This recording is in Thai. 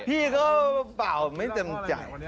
พี่ก็เป่าไม่เต็มใจ